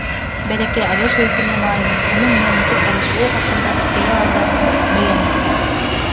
Бәләкәй Алёша исемле малайҙың уның менән нисек танышыуы хаҡында хикәйә алда бәйән ителә.